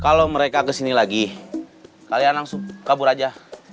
kalau mereka kesini lagi kalian langsung kabur aja